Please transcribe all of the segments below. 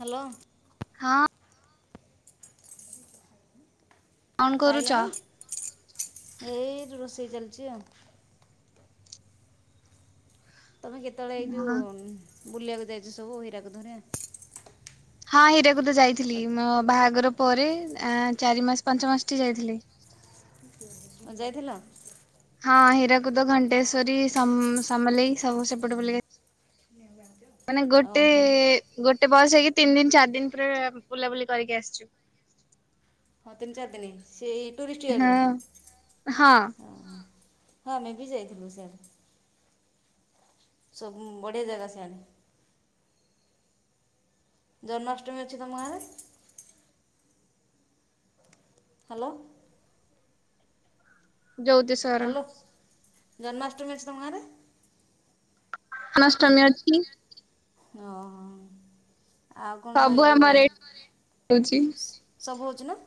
Hello. ହଁ, କଣ କରୁଛ? ଖାଇଲଣି? ଏଇ ରୋଷେଇ ଚାଲିଛି ଆଉ। ତମେ କେତେବେଳେ ହଁ ଏଇଯୋଉ ବୁଲିଆକୁ ଯାଇଛ ସବୁ ହୀରାକୁଦ ରେ? ହଁ ହୀରାକୁଦ ଯାଇଥିଲି ମୋ ବାହାଘର ପରେ ଏଁ ଚାରି ମାସ ପାଞ୍ଚ ମାସ ଠି ଯାଇଥିଲି। ଯାଇଥିଲ, ହଁ ହୀରାକୁଦ, ଘଣ୍ଟେଶ୍ଵରୀ, ସମ ସମଲେଇ ସବୁ ସେପଟେ ବୁଲିକି [unintelligible] ମାନେ ଗୋଟେ ଓହୋ ଗୋଟେ ବସ୍ ହେଇକି ତିନି ଦିନ ଚାରି ଦିନ ପୁରା ବୁଲାବୁଲି କରିକି ଆସିଛୁ। ହଁ ତିନି ଚାରି ଦିନି ସେ ଏଇ ଟୁରିଷ୍ଟ ଗାଡି ହଁ ରେ? ହଁ ହଁ ଆମେ ବି ଯାଇଥିଲୁ, ସିଆଡେ ସବୁ ବଢିଆ ଜାଗା ସିଆଡେ। ଜନ୍ମାଷ୍ଟମୀ ଅଛି ତମ ଆଁରେ? ହାଲୋ ଯଉତିଷ ହାଲୋ ଜନ୍ମାଷ୍ଟମୀ ଅଛି ତମ ଗାଁରେ? ଜନ୍ମାଷ୍ଟମୀ ଅଛି। ଓହୋ ଆଉ କଣ ସବୁ ଏଇ ଯୋଉ ଆମର ଏଇଠି ହଉଛି। ସବୁ ହଉଛି ନା?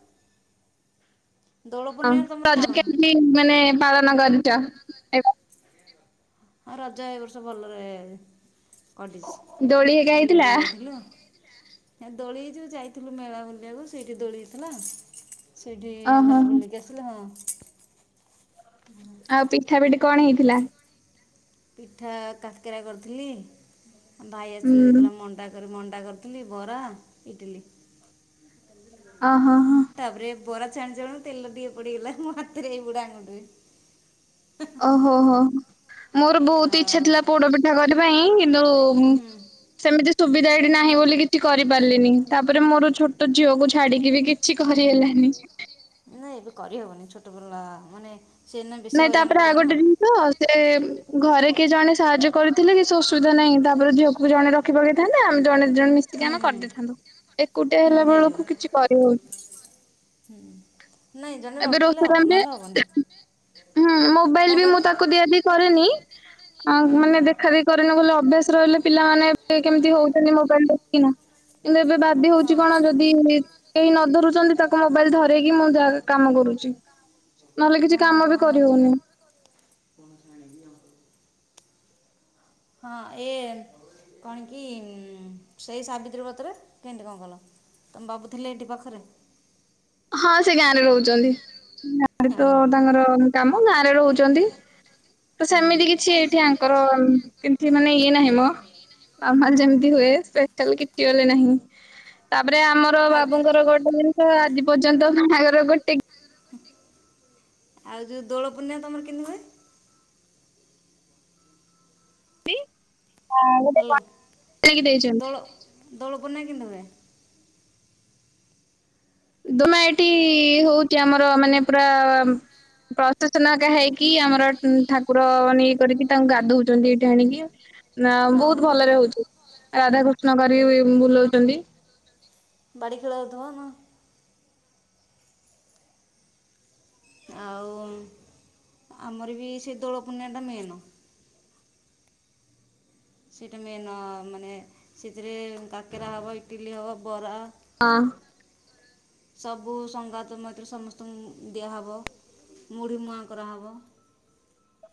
ଦୋଳ ହଁ, ପୂର୍ଣ୍ଣିମାରେ ତମର ରଜ କ'ଣ କେମିତି ମାନେ ପାଳନ କରିଚ? ହଁ ରଜ ଏ ବର୍ଷ ଭଲରେ କଟିଛି, ଦୋଳି ହେକା ହେଇଥିଲା। ବୁଲିବାକୁ ଯାଇଥିଲୁ। ଦୋଳି ଯୋଉ ଯାଇଥିଲୁ, ମେଳା ବୁଲିବାକୁ ସେଇଠି ଦୋଳି ହେଇଥିଲା। ସେଇଠି ଏ ଓହୋ। ମାନେ ବୁଲିକି ଆସିଲେ ହଁ। ଆଉ ପିଠା ପିଠି କଣ ହେଇଥିଲା? ପିଠା କାକେରା କରିଥିଲି, ଭାଇ ଆସିଥିଲେ ହୁଁ। ଦେଇଥିଲା ମଣ୍ଡା ମଣ୍ଡା କରିଥିଲି ବରା, ଇଟିଲି। ଓହୋ ହୋ। ତାପରେ ବରା ଛାଣୁ ଛାଣୁ ତେଲ ଟିକେ ପଡିିଗଲା, ମୋ ହାତରେ ଏଇ ବୁଢା ଆଙ୍ଗୁଠିରେ। ଓହୋ, ହୋ ମୋର ବହୁତ ଇଚ୍ଛା ଥିଲା, ପୋଡ ଆଉ ପିଠା କରିବା ପାଇଁ କିନ୍ତୁ ହୁଁ ସେମିତି ସୁବିଧା ଏଠି ନାହିଁ ବୋଲି କିତି କରିପାରିଲିନି, ତାପରେ ମୋର ଛୋଟ ଝିଅକୁ ଛାଡିକି ବି କି କିଛି କରି ହେଲାନି। ନାଇଁ ଏବେ କରିହବନି, ଛୋଟ ପିଲା ମାନେ ସିଏ ଏନା ବେଶୀ ହଇରାଣ କରିବ ନା। ତ ସେ ଘରେ କିଏ ଜଣେ ସାହାଯ୍ୟ କରିଥିଲେ କିଛି ଅସୁବିଧା ନାହିଁ, ତାପରେ ଝିଅକୁ ଜଣେ ର ଆଖି ପକେଇଥାନ୍ତା ଆମେ ଜଣେ ଦି ଜଣ ମିଶିକି ଆଉ ଆମେ ଜଣେ ଦୁଇଜଣ କରିଦେଇଥାନ୍ତୁ, ଏକୁଟିଆ ହୁଁ ହେଲା ହେଇଯିବ ବେଳକୁ କିଛି କରିହଉନି। ହୁଁ ନାଇଁ ଜଣେ ଏବେ ରଖିଲେ ରୋଷେଇ ହବ ଟାଇମ୍ ରେ, ନହେଲେ ହବନି ହୁଁ କଣ ମୋବାଇଲ ବି ମୁଁ କହିଲେ ତାକୁ ଦିଆଦି କରେନି, ଆଉ ହୁଁ ହୁଁ ମାନେ ଦେଖାଦେଖି କରେନି ବଲେ ଅଭ୍ୟାସ ରହିଲେ ପିଲାମାନେ ଏବେ କେମତି ହଉଚନ୍ତି ମୋବାଇଲ ଦେଖିକିନା କିନ୍ତୁ ଏବେ ଵା ଏମିତି ହଁ ହଉଛି, କଣ ଯଦି କେହି ନ ଧରୁଚନ୍ତି ତାକୁ ମୋବାଇଲ ଧରେଇକି ମୁଁ ଯା କାମ କରୁଚି। ନହେଲେ କିଛି କାମ ବି କରି ହଉନି। ପଣା ପାଣି ଦିଆ ହଉ। ହଁ ଏ କଣ କି ସେଇ ସାବିତ୍ରୀ ବ୍ରତରେ କେନତି କଣ କଲ? ତମ ବାବୁଥିଲେ ଏଠି ପାଖରେ। ହଁ ସେ ଗାଁରେ ରହୁଚନ୍ତି। ଗାଁରେ ତ ଓହୋ ତାଙ୍କର କାମ ଗାଁରେ ରହୁଚନ୍ତି। ତ ହୁଁ ସେମିତି କିଛି ଏଇଠି ଆଙ୍କର ଏମତି ମାନେ ଇଏ ନାହିଁ ମଁ ଆମଆଡେ ଯେମତି ହୁଏ ସେ ସେଲ କିଛି ଗୋଲେ ନାହିଁ ତାପରେ ଆମର ଆଉ ବାବୁଙ୍କର ଗୋଟେ ଆଜି ପର୍ଯ୍ୟନ୍ତ ବାହାଘର ଗୋଟେ ଆଉ ଯୋଉ ଦୋଳ ପୂର୍ଣ୍ଣିଆ ତମର କେମିତି ହୁଏ? ଗିଫ୍ଟ ଗୋଟେ ହାଲୋ କଣ କିଣିକି ଦେଇଛନ୍ତି। ଦୋଳ ଦୋଳ ପୁନେଇଁ କେନତି ହୁଏ? ତମେ ଏଠି ହଉଚି ଆମର ମାନେ ପୁରା ପ୍ରସେସନ ହରିକା ହେଇକି, ଆମର ଉଁ ଠାକୁର ମାନେ ଇଏ କରିକି ତାଙ୍କୁ ଗାଧଉଚନ୍ତି ଏଇଠି ଆଣିକି। ନା ବହୁତ ହଁ ଭଲରେ ହଉଚି, ରାଧାକୃଷ୍ଣ କରିକି ୟୁ ବ ଉଁ ବୁଲଉଚନ୍ତି। ବାଡ଼ି ଖେଳ ହଉଥବ ନା? ଆଉ ଉମ ଆମର ବି ସେ ଦୋଳ ପୂନିଆ ଟା ମେନ। ସେଇଟା ମେନ ଅଁ ମାନେ ସେଥିରେ କାକେରା ହବ ଇଟିଲି ହବ ବରା ଆଁ ଆଁ ସବୁ ସଙ୍ଗାତ ମୈତ୍ର ସମସ୍ତଙ୍କୁ ଉଁ ଦିଆହବ। ମୁଢ଼ି ମୁଆଁ କରାହବ।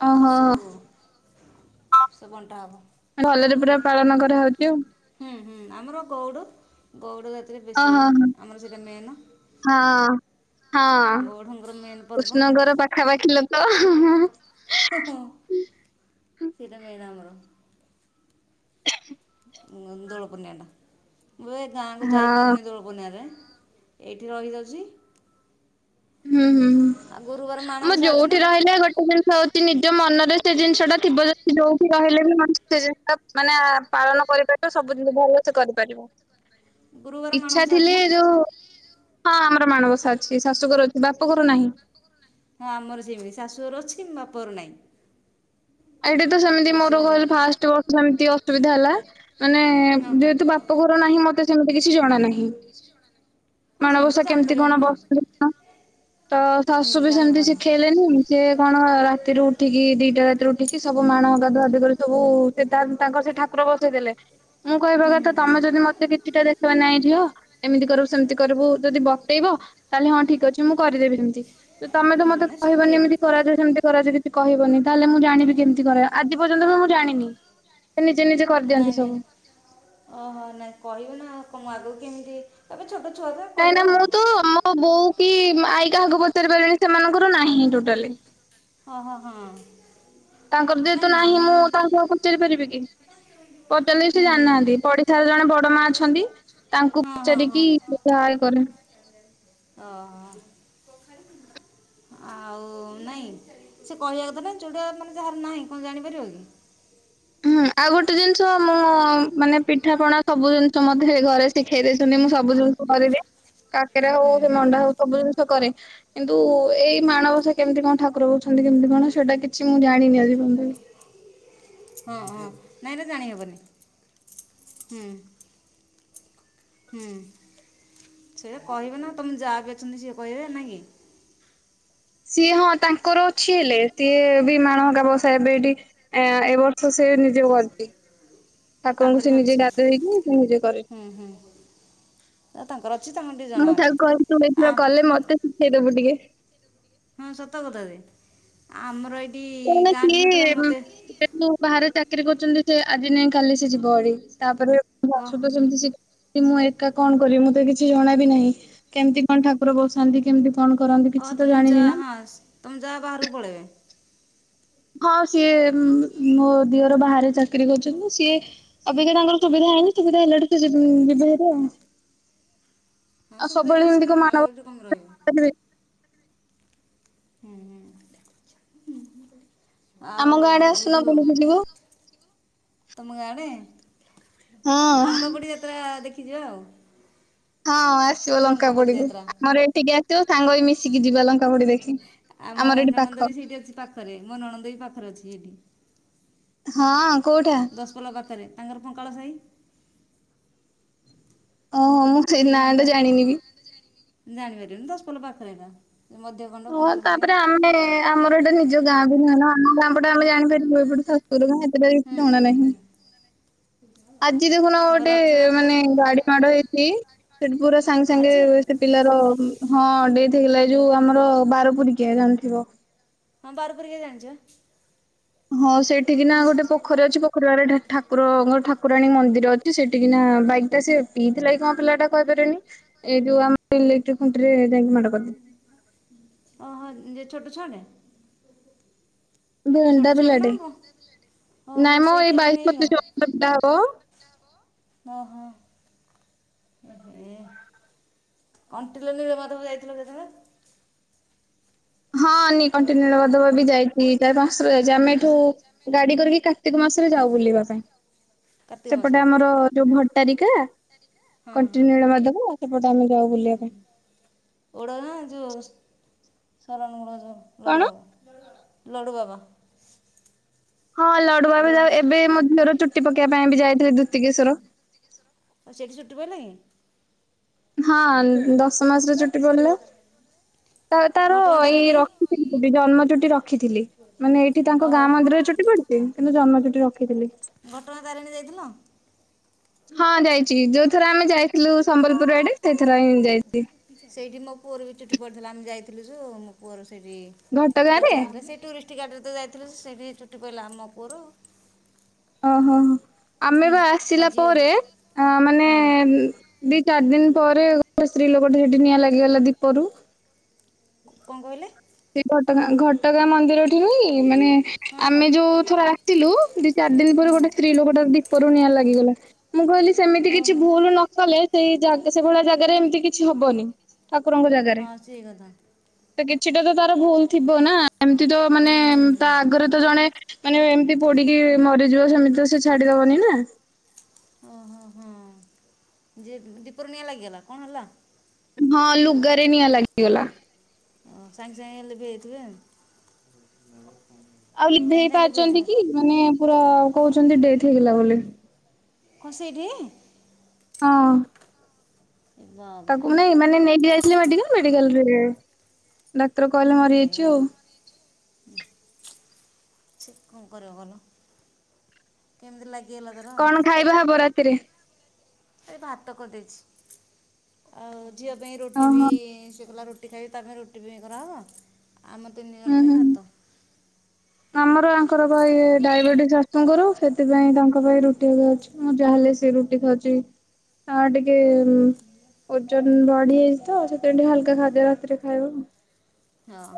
ଓହୋ ସବୁ ହବ ହଁ ସବୁ ବଣ୍ଟା ହବ। ଭଲେରେ ପୁରା ପାଳନ କରାହଉଚି ଆଉ। ହୁଁ ହୁଁ। ଆମର ଗଉଡ। ଗଉଡ଼ ଜାତିରେ ବେଶୀ ଇଏ ଓହୋ ଆମର ସେଇଟା ମେନ। ହଁ ହଁ ମେନ୍ ପର୍ବ କୁଷ୍ଣଙ୍କର ପାଖାପାଖିି ଲୋକ। ହଁ ହଁ ହଁ। ହୋଁ ହୋଁ ସେଇଟା ମେନ ଆମର। ଉଁଗ ଉଁ ଦୋଳପୁର୍ଣ୍ଣିଆ ଟା ମୁ ଏଇ ଗାଁକୁ ଯାଇ ପାରୁନି ଦୋଳ ପୂର୍ଣ୍ଣିଆରେ ଏଇଠି ରହିଯାଉଛି। ହୁଁ ହୁଁ ଆଉ ଗୁରୁବାର ହୁଁ ମୁଁ ମାଣବସା ଅଛି ନା ଯୋଉଠି ରହିଲେ ଗୋ ଟେ ଜିନିଷ ହଉଛି ନିଜ ମନରେ ସେ ଜିନିଷ ଟା ଥିବ ଯଦି ଯୋଉଠି ରହିଲେ ବି ମଣିଷ ସେ ଜିନିଷ ମାନିଆ ପାଳନ କରିବାଟା ସବୁିଦିନି ଭଲ ସେ କରିପାରିବ। ଗୁରୁବାର ଇଛା ମାଣବସା ଅଛି ଥିଲେ ନା ଯୋଉ ହଁ ଆମର ମାଣବସା ଅଛି ଶାଶୁଘର ଅଛି ବାପ ଘରୁ ନାହିଁ। ହଁ ଆମର ସେମିତି ଶାଶୁଘର ଅଛି ଉମ୍ ବାପର ନାଇଁ। ଏଇଠି ତ ସେମିତି ମୋର ଶାଶୁଘର କଇଲି ଫାଷ୍ଟ ବର୍ଷ ସେମତି ଅସୁବିଧା ହେଲା ମାନେ ଉଁ ହଁ ହଁ ଯେହେତୁ ବା ପ ଘର ନାହିଁ ମତେ ସେମତି କିଛି ଜଣା ନାହିଁ। ହଁ ସେମିତି ତ ମାଣବସା କେମତି ଜାଣିପାରିବନି କଣ ନା ବ ହୁଁ ତ ଶାଶୁ ବି ସେମତି ଜାଣିହେବନି ହୁଁ ଶିଖେଇଲେନି ସିଏ କଣ ରାତିରୁ ଉଠିକି ଦିଟା ରାତିରୁ ଉଠି କି ସବୁ ମାଣ ଗାଧୁଆଗାଧି କରି ସବୁ ସେ ତା ତାଙ୍କର ସେ ଠାକୁର ବସେଇ ଦେଲେ। ମୁଁ କହିବା ହୁଁ କଥା ହୁଁ ତମେ ଯଦି ମତେ କିଛିଟା ଦେତେଇବା ନାଇଁ ଝିଅ ଏମିତି କରିବୁ ସେମତି କରିବୁ ଯଦି ବତେଇବ ତାହେଲେ ହଁ ଠିକ ଅଛି ମୁଁ କରିଦେବି ସେମିତି। ଯେ ତମେ ତ ହୁଁ ମତେ ନା ଶିଖି କହିବନି, ଏମିତି କରାଯାଏ ସେମତି କରାଯାଏ ଯଦି କିଛି କହିବନି ତାହେଲେ ମୁଁ ଜାଣିବି କେମତି କରାଏ ଆଜି ପର୍ଯ୍ୟନ୍ତ ମୁଁ ମୁଁ ଜାଣିନି। ସେ ନିଜେ ନିଜେ କରିଦିଅନ୍ତି ନାଇଁ ସବୁ। ନାଇଁ ଓହୋ ନାଇଁ କହିବୁ ନା କଁ ମୁଁ ଆଗୁକୁ କେମିତି ଏବେ ଛୋଟ ଛୁଆଟା କରିବ ଆଉ। ହଁ ବୋଉ କି ଉମ ଆଈ କାହାକୁ ପଚାରି ପାରିବିନି ସେମାନଙ୍କର ନାହିଁ ହିଁ ଟୋଟାଲି। ହଁ ହଁ ହଁଅଁ। ତାଙ୍କର ଯେହେତୁ ନାହିଁ ମୁଁ ତାଙ୍କୁ ଆଉ ପଚାରି ପାରିବି କି ପଚାରଲେବି ସେ ହୁଁ ହୁଁ ଜାଣନାହାନ୍ତି ପଡି ଏଠାରେ ଜଣେ ବଡ ମା ଅଛନ୍ତି ତାଙ୍କୁ ହଁ ହଁ ହଁ ପଚାରିକି ପ୍ରାୟ କରେ। ଓହୋ। ଆଉ ନାଇଁ ସେ କହିବାକୁ ଥିଲା ନା ଯୋଉଟା ମାନେ ଯାହାର ନାହିଁ କଣ ଜାଣିପାରିବନି। ହୁଁ ଆଉ ଗୋଟେ ଜିନିଷ ମୁଁ ମାନେ ପିଠା ପଣା ସବୁ ଜିନିଷ ମତେ ଘରେ ଶିଖେଇ ଦେଇି ମୁଁ ସବୁ ଜିନିଷ କରେବେ କାକେରା ହଉ ହୁଁ ସେ ହୁଁ। ମଣ୍ଡା ହଉ ସବୁ ଜିନିଷ କରେ। କିନ୍ତୁ ଏଇ ମାଣବସା କେମିତି କଣ ଠାକୁର କହୁଛନ୍ତି କେମିତି କଣ ସେଇଟା କିଛି ମୁଁ ଜାଣିନି ଆଜି ପଯ୍ୟ ହଁ ହଁ ନାଇଁ ନା ଜାଣିହବନି ହୁଁ। ହୁଁ। ସେ କହିବେ ନା ତମ ଯା ବିି ଅଛନ୍ତି ସିଏ କହିବେ ନା କି? ସିଏ ହଁ ତାଙ୍କର ଅଛି ହେଲେ ସିଏ ବି ମାଣ ହକା ବସା ଏବେ ଏଠି ଏ ଏ ବର୍ଷ ସେ ନିଜେ କରିଛି। ଆଉ ଠାକୁରଙ୍କୁ ତାଙ୍କର ସେ ବି ନିଜେ ଅଛି। ଗାଧେଇ କି ସେ ନିଜେ କରେ। ହୁଁ ହୁଁ ତାଙ୍କର ଅଛି ତାଙ୍କର ଟିକେ ଜଣା ମୁଁ ଅଛି। ତାକୁ କହ ତୁ ଆ ଏଥିର କଲେ ମତେ ଶିଖେଇଦବୁ ଟିକେ ହଁ ସତ କଥା ଯେ ଆମର ଏଇଠି ଗାଁଠି ନଥିଲା ମତେ ସେଠୁ ବାହାରେ ଚାକିରି କରୁଛନ୍ତି ସେ ଆଜି ନାଇଁ କାଲି ସେ ଯିବ ହେରି ତା ପରେ ଓ ମତେ ତ ସେମିତି କି ମୁଁ ଏକା କଣ କରିବି ମୁଁ ତ କିଛି ଜଣାବି ନାହିଁ କେମିତି କଣ ଠାକୁର ବସାନ୍ତି? କିମିତି କଣ କରନ୍ତି କିଛି ତ ଜାଣିନି ନା। ପାଞ୍ଚ [unintelligible] ତମ ଯା ବାହାରକୁ ପଳେଇବେ? ହଁ ସିଏ ମୋ ଦିଅର ବାହାରେ ଚାକିରି କରୁଛନ୍ତି ସିଏ ଅବିକା ତାଙ୍କର ସୁବିଧା ହେଇନି ସୁବିଧା ହେଲାଠୁ ସେ ଯିବେ ହେରି ଆଉ। ହଁ ଆଉ ଶୁବିଧା ସବୁବେଳେ ହେଲା ଏମିତି ସେ କଣ ମାଣ ଆଉ ଏଠି କଣ ରହିବ? ବସା କରିବେ ହୁଁ ହୁଁ। ଆଉ ଆମ ଗାଁ ଅଢେ ଏଇ ଆସୁନ ଯେଉଁ ବୁଲିକି ଯିବ? ତମ ଗାଁ ଆଡ଼େ ହଁ। ଲଙ୍କା ପୋଡ଼ି ଯାତ୍ର ଦେଖୀ ଜୀବ ଆଉ। ହଁ ଆସିବ ଲଙ୍କା ଲଙ୍କାପୋଡ଼ି ପୋଡିକୁ ଯାତ୍ରା ଆମର ଏଠିକି ଆସିବ ସାଙ୍ଗ ହୋଇକି ମିଶିକି ଯିବା ଲଙ୍କା ପୋଡି ଦେଖି। ଆମ ଆମର ଏଠି ପାଖ ନଣନ୍ଦ ବି ଡେଚି ପାଖ ପାଖରେ ମୋ ନଣନ୍ଦ ବି ପାଖରେ ଅଛି ହେଇଠି। ହଁ କୋଉଠା? ଦଶପଲା ପାଖରେ ତାଙ୍କର ପଙ୍କାଳ ସାହି। ଓଃ ମୁଁ ସେଇ ସେ ନାଁ ଗାଁ ଟା ଜାଣିନି ବି। ଜାଣି ପାରିବନି ଦଶପଲ ପାଖ ହେଇଟା। ହଁ ତାପରେ ଆମେ ଆମର ଏଇଟା ନିଜ ଗାଁ ବି ନୁହଁ ନା ଆମ ଗାଁ ପଟେ ଆମେ ଜାଣିପାରିବୁ ଏପଟେ ତ ସେଇଡା ପାଇ ଏତେ ପାଇଁ ହୁଁ ହୁଁ ଜଣା ନାହିଁ। ହୁଁ ଆଜି ଦେଖୁନ ଆଉ ଗୋଟେ ମାନେ ରଥଯାତ୍ରାକୁ ଗାଡି ମାଡ ହେଇଛି? ସେଠି ପୁରା ସାଙ୍ଗେ ସାଙ୍ଗେ ଆଜି ସେ ପିଲାର ହଁ ଡେଥ ହେଇଗଲା ଏ ଯୋଉ ଆମର ବାରପୁରିକିଆ ଜଣିଥିବ। ହଁ ବାରପୁରିକିଆ ଜଣିଛି। ହଁ ସେଇଠିକିନା ଗୋଟେ ପୋଖର ଅଛି। ପୋ ଠକୁରରେ ଠାକୁରଙ୍କର ଠାକୁରାଣୀ ମନ୍ଦିର ଅଛି ସେଠିକିନା ବାଇକ୍ ଟା ସେ ପିଇଥିଲା କି କଣ ପିଲାଟା କହିପାରିବିନି। ଏଇ ଯୁ ଆମ୍ ଓହ ଯେ ଛୋଟ ଛୁଆଟେ? ଭେଣ୍ଡା ଛୋଟ ଛୋଟ ନା ପିଲାଟେ ହଁ ହୋ ନାଇଁ ମ ଏଇ ସେଇଠି ଏକ ବାଇଶ ନେଇ ହଁ ପଚିଶ ବର୍ଷର ପିଲା ହବ ହଁ। ଉ ହୁ କଣ୍ଟିଲ ନୀଳ ମାଧବ ଯାଇଥିଲ ଯେତେଳେ? ହଁ ନି କଣ୍ଟିଲ ନୀଳମାଧବ ବି ଯାଇଛି ଚାରି ପାଞ୍ଚ ଯାଇଛି ଆମେ ଏଠୁ ଗାଡି କରିକି କାର୍ତିକ ମାସରେ ଯାଉ ବୁଲିବା ପାଇଁ। କାର୍ତ୍ତିକ ସେପଟେ ମାସରେ ଆମର ଯୋଉ ଭଟ୍ଟାରିକା ହଁ ହଁ କଣ୍ଟିନ୍ୟୁଳ [unintelligible] ସେପଟେ ଆମେ ଯାଉ ବୁଲିବା ପାଇଁ। ଓଡ଼ ନା ଯେଉଁ ଶରଣ ଗୋଡ଼ ଯେଉଁ କଣ ଲଡ଼ବାବ ଲଡ଼ୁବାବା। ହଁ ଲଡୁଆ ବାବା ଯାଉ ଏବେ ମୋ ଝିଅର ଚୁଟି ପକେଇବା ପାଇଁ ବି ଯାଇଥିଲୁ ଦ୍ୟୁତିକେଶବର। ଆଉ ସେଇଠି ଚୁଟି ପଇଲା କି? ହଁ ଦଶ ମାସରେ ଚୁଟି ପଡ଼ଲେ ତା ତାର ଘଟଗାଁ ଏଇ ତାରିଣୀ ରଖିଥିଲି ଚୁଟି ଜନ୍ମ ଚୁଟି ରଖିଥିଲି ମାନେ ଏଇଠି ତାଙ୍କ ଗାଁ ଓହୋ ମନ୍ଦିରରେ ଚୁଟି ପଡିବ। ତିନ ତିନ ଜନ୍ମ ଚୁଟି ରଖିଥିଲି। ଘଟଙ୍ଗା ତାରିଣୀ ଯାଇଥିଲ? ହଁ ଯାଇଚି ଯୋଉ ଥର ଆମେ ଯାଇଥିଲୁ ସମ୍ବଲପୁର ଆଡେ ସେଇ ଥର ହିଁ ଯାଇଥିଲି। ସେଇଠି ମୋ ପୁଅରୁ ବି ଚୁଟି ପଡ଼ିଥିଲା ଆମେ ଯାଇଥିଲୁ ସୁ ମୋ ପୁଅରୁ ସେଇଠି ଘଟଗାଁ ଏଟା ରେ। ଚେନ ଥିଲା ସେ ଟୁରିଷ୍ଟ ଗାଡିରେ ତ ଯାଇଥିଲୁ ସେଠି ଚୁଟି ପଇଲା ଆମ ପୁଅର। ଓହୋ ଆମେ ହୁଁ ବା ମୋ ଆସିଲା ଝିଅ ପରେ ଅ ମାନେ ହୁଁ ଦି ଚାର ଦିନ ପରେ ସ୍ତ୍ରୀ ଲୋକଟେ ସେଠି ନିଆଁ ଲାଗିଗଲା ଦୀପରୁ। କଁ କହିଲେ? ସେ ଘଟଗା ଘଟଗାଁ ମନ୍ଦିରଠି ହୋଇ ମାନେ ହଁ ହଁ ଆମେ ଯୋଉ ଥର ଆସିଲୁ। ଚାରି ଦିନ ପରେ ହୁଁ ଗୋଟେ ସ୍ତ୍ରୀ ଲୋକଟା ଦୀପରୁ ନିଆଁ ଲାଗିଗଲା। ମୁଁ କହିଲି ସେମିତି କିଛି ଓହୋ ଭୁଲ ନ କଲେ ସେଇ ସେଭଳିଆ ଜାଗାରେ ଏମିତି କିଛି ହବନି। ଠାକୁରଙ୍କ ଜାଗାରେ ହଁ ସେଇ କଥା। ସେଟା ତ ତାର ଭୁଲ ଥିବ ନା ଏମିତି ତ ମାନେ ହୁଁ ହୁଁ ହୁଁ ତା ଆଗରେ ତ ଜଣେ। ମାନେ ଏମିତି ପୋଡିକି ମରିଯିବ ସେମିତି ସେ ଛାଡିଦବନି ନା। ଓଁ ହୋ ହଁ। ଯେ ଦିପରୁନିଆଁ ଲାଗିଗଲା କଣ ହେଲା? ହଁ ଲୁଗରେ ନିଆଁ ଲାଗିଗଲା। ହଁ ସାଙ୍ଗେ ସାଙ୍ଗେ ଲିଭେଇ ବି ହେଇଥିବେ। ଆଉ ଲି ହେଇ ପାରିଛନ୍ତି କି ମାନେ ପୁରା କହୁଛନ୍ତି ଡେଟ ହେଇଗଲା ବୋଲି। କଣ ସେଇଠି? ହଁ। ବାବା ତାକୁ ନାଇଁ ମାନେ ନେଇକି ଯାଇଥିଲେ ମେଡିକାଲ ମେଡିକାଲ ରେ ଡାକ୍ତର କହିଲେ ଏ ହେ ମରିଯାଇଛି ଆଉ। ସେ କଣ କରିବେ କହିଲ କେମିତି ଲାଗିଗଲା ତାର ଆଉ। ଶୁଆହବ ରାତିରେ। ଆରେ ଭାତ କରିଦେଇଛି ଆଉ ଝିଅ ପାଇଁ ରୁଟି ବି ଓହୋ ସେ କହିଁଲା ରଟି ରୁଟି ଖାଇକି ତା ପାଇଁ ରୁଟି ବି ଖରାହବ ଆମ ତିନି ହୁଁ ଜଣ ପାଇଁ ହୁଁ ଭାତ। ଆମର ଆଙ୍କର ପାଇଁ ଇଏ ଡାଇବେଟିସ୍ ଆସୁଙ୍କର ସେଥିପାଇଁ ତାଙ୍କ ପାଇଁ ରୁଟିିବାକୁ ଅଛି। ମୁଁ ଯାହାହେଲେ ସେ ରୁଟି ଖାଉଛି ଆ ଟିକେ? ଓଜନ ବଢିଯାଇଛି ତ ସେଥି ପାଇଁ ଟିକେ ହାଲୁକା ଖାଦ୍ୟ ରାତିରେ ଖାଇବ। ହଁ।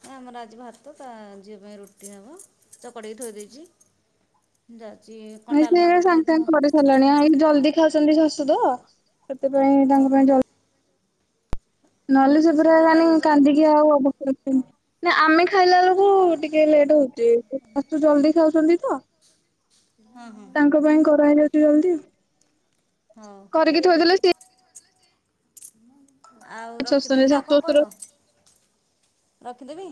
ହ ଆମର ଆଜି ଭାରାତ ତା ଝିଅ ପାଇଁ ରୁଟି ନବ ଚ କଡ଼େଇକି ଥୋଇ ଦେଇେଇଚି। ଜାଉଚି କଁ ଡ଼ାଲମା କରିଥିଲେ ଥୁଅ। ଖଲାଣି ଜଲଦି ଖାଉଚନ୍ତି ଶାଶୁ ତ ସେଥିପାଇଁ ତାଙ୍କ ହଁ ପାଇଁ ଜଲି। ନହେଲେ ସେ ଆଉ ପୁରା ଶୀଘ୍ର ମାନେ ଖାଇଦେଉଛ କାନ୍ଦିକି ଆଉ ଅବସ୍ତା ରଖିବନି ଆଉବ କର ନା ଆମେ ଖାଇଲା ବେଳକୁ ଟିକେ ଟିକେ ଲେଟେ ହୋଉଚି ଶାଶୂ ଜଲଦି ଖାଉଛନ୍ତି ତ। ହଁ ହଁ। ତାଙ୍କ ପାଇଁ କର ହେଇଯାଉଛି ଜଲଦି। ହଁ। କରିକି ଥୋଇଦେଲେ ସିଏ ଆଉ ଶୋଷୁନି ରଖିଦେବି ନାଆଉ କଁ ଶାଶୁ ଶଶୁର କଇଁବ ରଖିଦେବି?